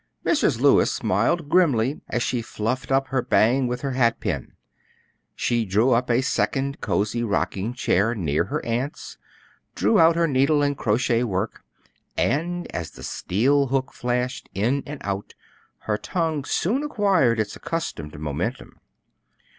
Mrs. Lewis smiled grimly as she fluffed up her bang with her hat pin. She drew up a second cosey rocking chair near her aunt's, drew out her needle and crochet work, and as the steel hook flashed in and out, her tongue soon acquired its accustomed momentum.